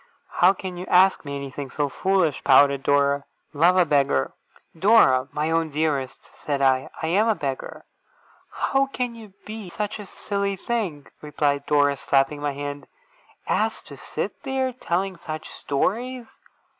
'How can you ask me anything so foolish?' pouted Dora. 'Love a beggar!' 'Dora, my own dearest!' said I. 'I am a beggar!' 'How can you be such a silly thing,' replied Dora, slapping my hand, 'as to sit there, telling such stories?